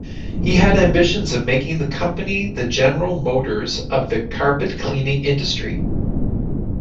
He had ambitions of making the company the General Motors of the carpet-cleaning industry.